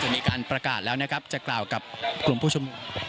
มีการประกาศแล้วนะครับจะกล่าวกับกลุ่มผู้ชุมนุม